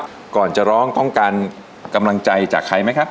ก่อนจะร้องต้องการกำลังใจจากใครไหมครับ